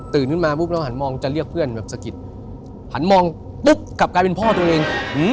ขึ้นมาปุ๊บแล้วหันมองจะเรียกเพื่อนแบบสะกิดหันมองปุ๊บกลับกลายเป็นพ่อตัวเอง